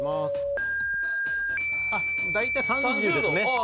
大体３０ですね。